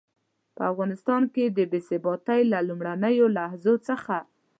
په افغانستان کې د بې ثباتۍ له لومړنيو لحظو څخه.